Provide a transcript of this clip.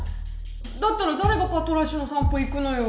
だったら誰がパトラッシュの散歩行くのよ！